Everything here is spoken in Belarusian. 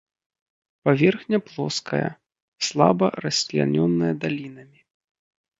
Паверхня плоская, слаба расчлянёная далінамі.